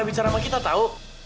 dia bisa bicara sama kita tau